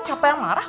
siapa yang marah